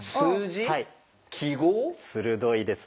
鋭いですね。